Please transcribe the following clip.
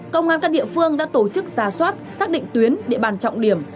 công an các địa phương đã tổ chức ra soát xác định tuyến địa bàn trọng điểm